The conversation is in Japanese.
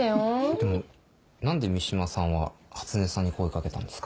でも何で三島さんは初音さんに声かけたんですかね？